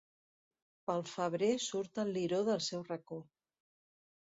Pel febrer surt el liró del seu racó.